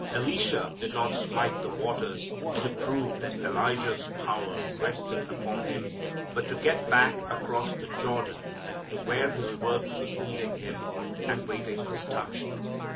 Elisha did not smite the waters to prove that Elijah's power rested upon him, but to get back across the Jordan to where his work was needing him and waiting his touch.